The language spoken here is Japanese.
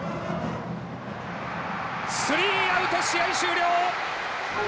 スリーアウト試合終了。